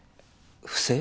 不正？